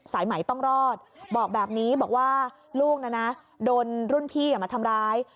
สายไหมต้องรอดบอกแบบนี้บอกว่าลูกนะนะโดนรุ่นพี่มาทำร้าย